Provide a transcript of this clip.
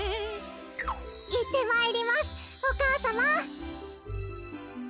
いってまいりますお母さま。